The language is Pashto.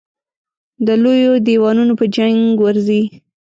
د لویو دېوانو په جنګ ورځي.